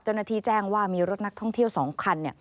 เจ้าหน้าที่แจ้งว่ามีรถนักท่องเที่ยว๒คัน